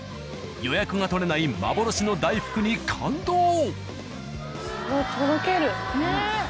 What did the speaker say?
予約が取れない幻の大福に感動！